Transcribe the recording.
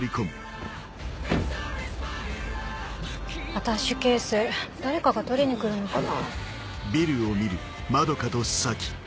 アタッシュケース誰かが取りに来るのかな？